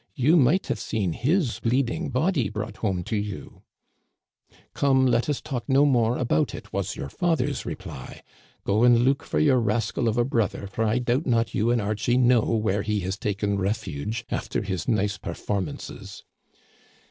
You might have seen his bleeding body brought home to you !'* Come, let us talk no more about it,* was your father's reply, ' Go and look for your rascal of a brother, for I doubt not you and Archie know where he has taken refuge after his nice performances